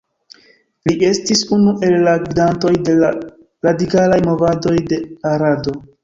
Li estis unu el la gvidantoj de la radikalaj movadoj de Arado.